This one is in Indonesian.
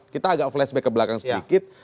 kita agak flashback ke belakang sedikit